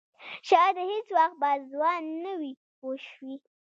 شاید هېڅ وخت به ځوان نه وي پوه شوې!.